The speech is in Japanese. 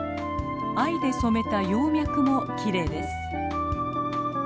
藍で染めた葉脈もきれいです。